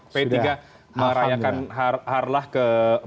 p tiga merayakan harlah ke empat puluh sembilan